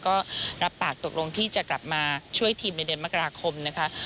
ก็รับปากตกลงที่จะกลับมาช่วยทีมในเดือนมกราคมนะคะ